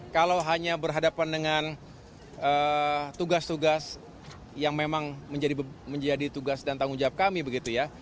kalau hanya berhadapan dengan tugas tugas yang memang menjadi tugas dan tanggung jawab kami begitu ya